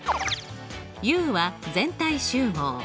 Ｕは全体集合。